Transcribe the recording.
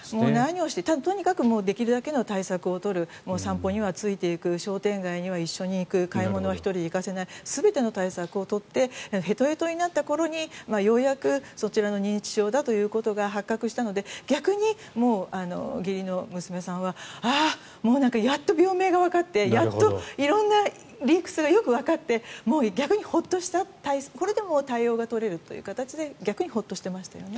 ただとにかくできるだけの対策を取る散歩にはついていく商店街には一緒に行く買い物は１人で行かせない全ての対策を取ってヘトヘトになった頃にようやくそちらの認知症だということが発覚したので逆に、義理の娘さんはああ、もうやっと病名がわかってやっと色んな理屈がよくわかってもう逆にホッとしたこれでもう対応が取れるという形で逆にホッとしていましたよね。